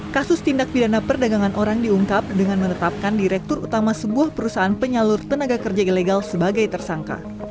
kasus tindak pidana perdagangan orang diungkap dengan menetapkan direktur utama sebuah perusahaan penyalur tenaga kerja ilegal sebagai tersangka